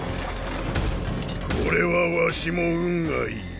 これはわしも運がいい。